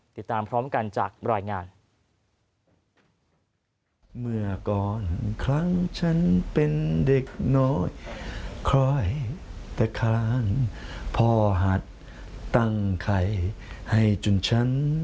ติดตามพร้อมกันจากรายงาน